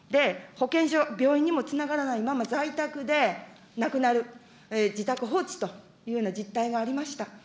保健所、病院にもつながらないまま、在宅で亡くなる、自宅放置というような実態がありました。